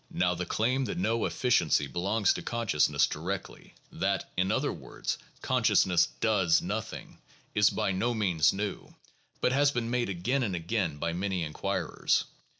Now the claim that no efficiency belongs to consciousness directly, that, in other words, consciousness does nothing, is by no means new, but has been made again and again by many inquirers.